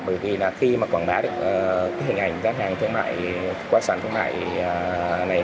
bởi vì khi quảng bá được hình ảnh doanh hàng thương mại qua sàn thương mại này